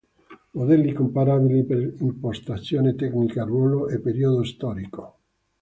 Modelli comparabili per impostazione tecnica, ruolo e periodo storico.